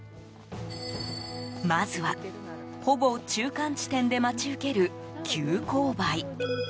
まずは、ほぼ中間地点で待ち受ける急勾配。